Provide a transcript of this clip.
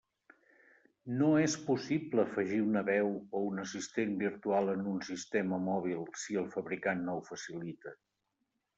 No és possible afegir una veu o un assistent virtual en un sistema mòbil si el fabricant no ho facilita.